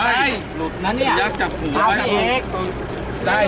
อันนี้ไม่ได้รอ